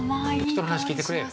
◆人の話、聞いてくれよ。